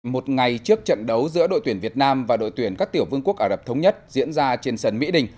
một ngày trước trận đấu giữa đội tuyển việt nam và đội tuyển các tiểu vương quốc ả rập thống nhất diễn ra trên sân mỹ đình